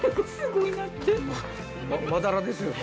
まだらですよね。